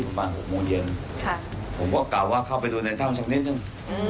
ประมาณ๖โมงเย็นผมก็กล่าวว่าเข้าไปดูในถ้ำสักนิดนึง